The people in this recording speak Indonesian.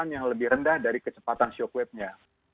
kecepatan yang lebih rendah dari kecepatan shockwapenya